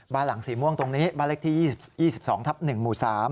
บ้านหลังสีม่วงตรงนี้บ้านเลขที่๒๒ทับ๑หมู่๓